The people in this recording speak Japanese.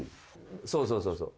そうそう。